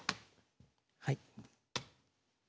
はい。